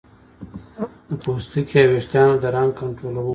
د پوستکي او ویښتانو د رنګ کنټرولونکو